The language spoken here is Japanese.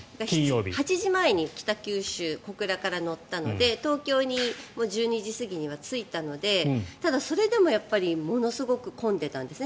８時前に北九州、小倉から乗ったので東京に１２時過ぎには着いたのでただ、それでもものすごく混んでたんですね。